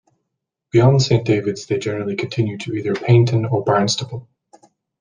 Beyond Saint Davids they generally continue to either Paignton or Barnstaple.